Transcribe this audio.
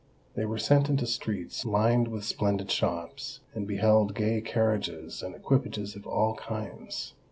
They were sent into streets lined with splendid shops, and beheld gay carriages and equipages of all kinds.